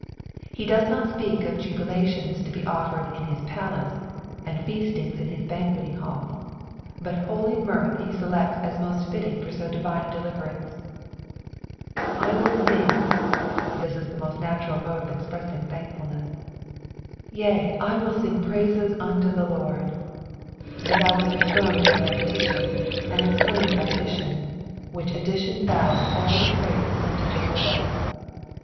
He does not speak of jubilatioas to be offered in his psiaco, and feastiogs in his banqueting halls, but boly mirth he selects as most fitting for so diTine n deliTemnce. "/wiK wnp," This is the most natural mode of expressing thankfulness. '^ Tea, I vtUi ting praise* unto the Lord.'^ The vow is confirmed by repetition, and explained b; addition, vrliich addition vows all the praise unto Jehovah.